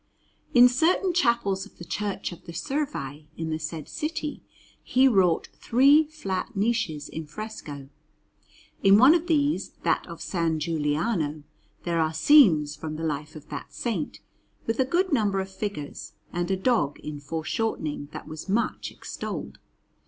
In certain chapels of the Church of the Servi in the said city he wrought three flat niches in fresco. In one of these, that of S. Giuliano, there are scenes from the life of that Saint, with a good number of figures, and a dog in foreshortening that was much extolled.